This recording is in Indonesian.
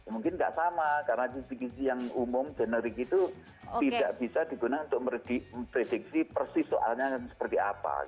mungkin tidak sama karena kisi kisi yang umum generik itu tidak bisa digunakan untuk memprediksi persis soalnya seperti apa